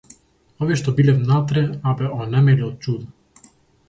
Овие што биле внатре, а бе онемеле од чудо.